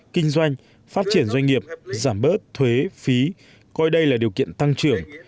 kinh doanh phát triển doanh nghiệp giảm bớt thuế phí coi đây là điều kiện tăng trưởng